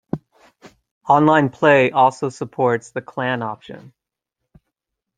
Online play also supports the clan option.